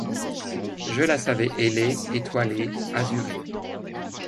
Je la savais ailée, étoilée, azurée